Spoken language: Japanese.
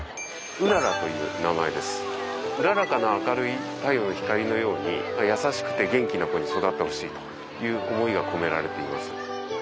うららかな明るい太陽の光のように優しくて元気な子に育ってほしいという思いが込められています。